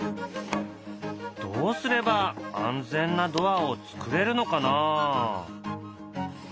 どうすれば安全なドアを作れるのかな？